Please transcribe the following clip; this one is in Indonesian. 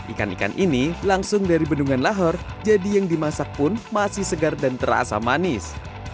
ikan ikan ini langsung dari bendungan lahor jadi yang dimasak pun masih segar dan terasa manis